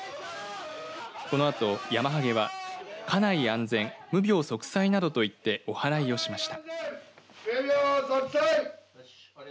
このあとヤマハゲは家内安全、無病息災などと言っておはらいをしました。